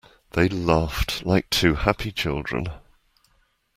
They laughed like two happy children.